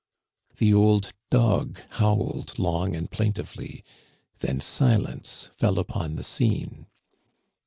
*' The old dog howled long and plaintively, then silence fell upon the scene.